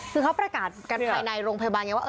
คือเขาประกาศกันภายในโรงพยาบาลไงว่า